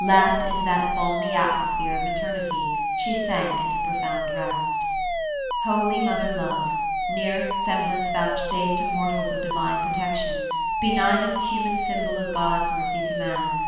Lapped in that balmy atmosphere of maternity, she sank into profound rest Holv mother love ! nearest semblance vouchsafed to mortals of Di vine protection 1 Benignest human symbol of God's mercy to man